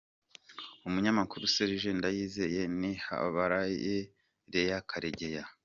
Umunyamakuru Serge Ndayizeye n’ihabara ye Lea Karegeya